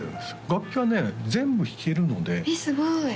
楽器はね全部弾けるのでえっ